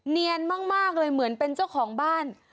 เนียนมากเลยเหมือนเป็นเจ้าของบ้าน